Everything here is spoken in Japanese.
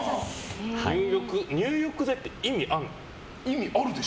入浴剤って意味あんの？